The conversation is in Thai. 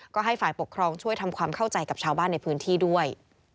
ก็ให้ฝ่ายปกครองช่วยทำความเข้าใจกับชาวบ้านในพื้นที่ด้วย